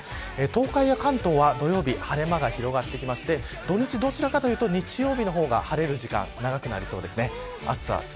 東海や関東は土曜日晴れ間が広がってきまして土日どちらかというと日曜日の方が晴れる時間が長くなりそうです。